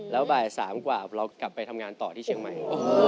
แล้วบ่าย๓กว่าเรากลับไปทำงานต่อที่เชียงใหม่